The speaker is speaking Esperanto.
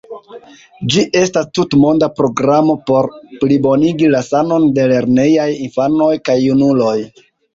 Ĝi estas tutmonda programo por plibonigi la sanon de lernejaj infanoj kaj junuloj.